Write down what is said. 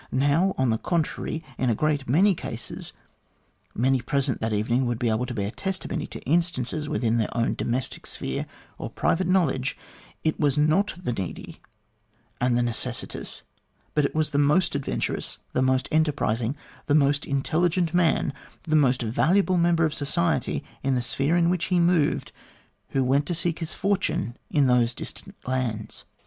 Now, on the contrary, in a great many cases many present that evening would be able to bear testimony to instances within their own domestic sphere or private knowledge it was not the needy and the necessitous, but it was the most adventurous, the most enterprising, the most intelligent man, the most valuable member of society in the sphere in which he moved, who went to seek his fortune in those distant lands.